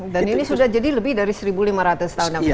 dan ini sudah jadi lebih dari seribu lima ratus tahun